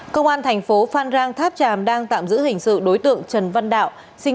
công an thành phố phan rang tháp tràm đang tạm giữ hình sự đối tượng trần văn đạo